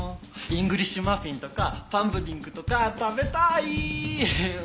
イングリッシュマフィンとかパンプディングとか食べたい！